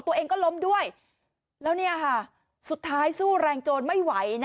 ตัวเองก็ล้มด้วยแล้วเนี่ยค่ะสุดท้ายสู้แรงโจรไม่ไหว